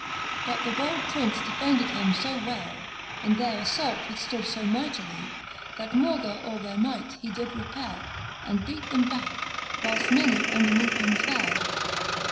But the bold Prince defended him fo well. And their aflault withftood fo mightily. That maugre all their might, he did repell, And beat them back, whilefl; many underneath him fell.